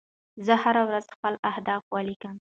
زه هره ورځ خپل اهداف ولیکم.